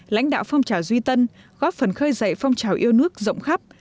lãnh đạo phong trào duy tân góp phần khơi dậy phong trào yêu nước rộng khắp